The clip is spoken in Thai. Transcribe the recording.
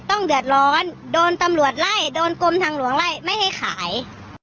ต้องเดือดร้อนโดนตำรวจไล่โดนกรมทางหลวงไล่ไม่ให้ขาย